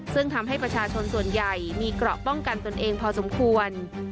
ซึ่งทำให้ประชาชนส่วนใหญ่มีเกราะป้องกันตนเองพอสมควร